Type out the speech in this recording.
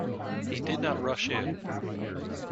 He did not rush in.